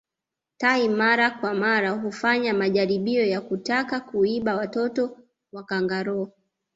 Tai mara kwa mara hufanya majaribio ya kutaka kuiba watoto wa kangaroo